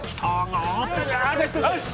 よし！